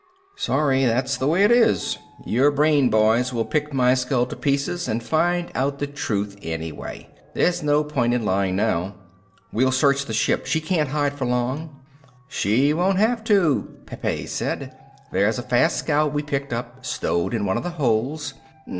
"Sorry. That's the way it is. Your brain boys will pick my skull to pieces and find out the truth anyway. There's no point in lying now." "We'll search the ship, she can't hide for long." "She won't have to," Pepe said. "There's a fast scout we picked up, stowed in one of the holds.